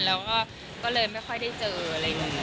แล้วก็ก็เลยไม่ค่อยได้เจออะไรอย่างนี้